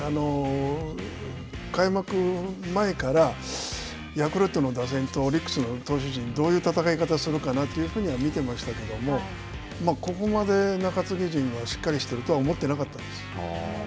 開幕前から、ヤクルトの打線とオリックスの投手陣、どういう戦い方するかなというふうには見ていましたけど、ここまで中継ぎ陣がしっかりしてるとは思ってなかったです。